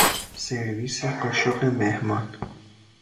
سرویس قاشق مهمان